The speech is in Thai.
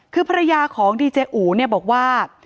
คือภรรยาของดีเจอูบอกว่า